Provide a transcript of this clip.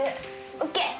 ＯＫ！